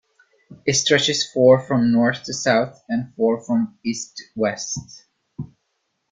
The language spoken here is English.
It stretches for from north to south and for from east to west.